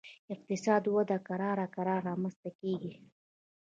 اقتصادي وده کرار کرار رامنځته کیږي